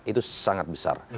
itu sangat besar